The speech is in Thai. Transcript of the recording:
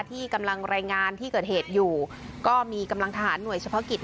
ที่กำลังรายงานที่เกิดเหตุอยู่ก็มีกำลังทหารหน่วยเฉพาะกิจ